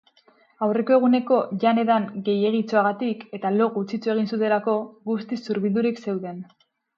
Aurreko eguneko jan-edan gehiegitxoagatik eta lo gutxitxo egin zutelako guztiz zurbildurik zeuden.